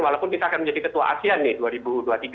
walaupun kita akan menjadi ketua asean nih